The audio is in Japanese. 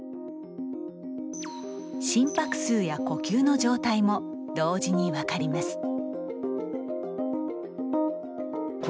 心拍数や呼吸の状態も同時に分かります。